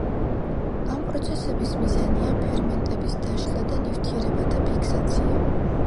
ამ პროცესების მიზანია ფერმენტების დაშლა და ნივთიერებათა ფიქსაცია.